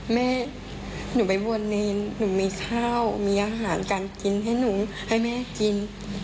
แม่หนูไปบวชเนรหนูมีข้าวมีอาหารการกินให้หนูให้แม่กิน